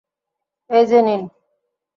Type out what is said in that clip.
এই যে নিন।